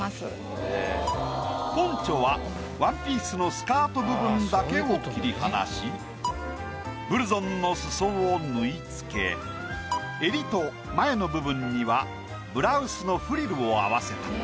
ポンチョはワンピースのスカート部分だけを切り離しブルゾンの裾を縫い付け襟と前の部分にはブラウスのフリルを合わせた。